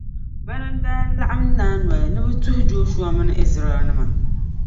Bɛna n-daa laɣim naai noli ni bɛ tuhi Jɔshua mini Izraɛlnima.